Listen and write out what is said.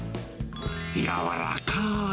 柔らかーい